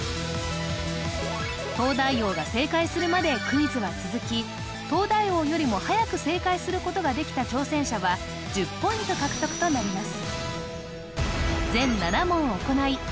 東大王が正解するまでクイズは続き東大王よりも早く正解することができた挑戦者は１０ポイント獲得となります